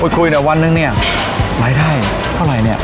พูดคุยเหนอวันนึงนี่ไหนได้เท่าอะไร